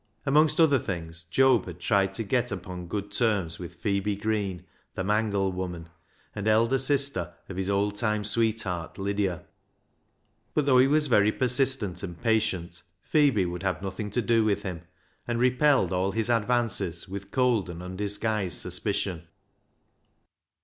Amongst other things. Job had tried to get upon good terms with Phebe Green, the mangle woman, and elder sister of his old time sweet heart, Lydia. But though he was very persistent and patient, Phebe would have nothing to do with him, and repelled all his advances with cold and undisguised suspicion.